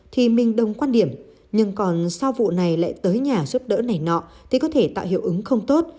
thì mình đồng quan điểm nhưng còn sau vụ này lại tới nhà giúp đỡ này nọ thì có thể tạo hiệu ứng không tốt